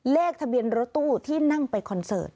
เลขทะเบียนรถตู้ที่นั่งไปคอนเสิร์ต